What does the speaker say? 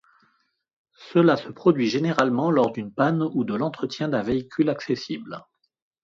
Cela se produit généralement lors d'une panne ou de l'entretien d'un véhicule accessible.